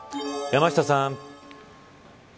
山下さん。